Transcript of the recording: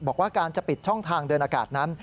บอกว่าการจะปิดช่องทางเดินอากาศนั้น